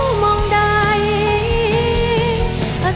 สวัสดีครับ